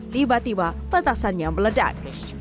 tiba tiba petasannya meledak